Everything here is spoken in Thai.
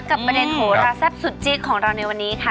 กับประเด็นโหลาแซ่บสุทธิ์ของเราในว่านี้ค่ะ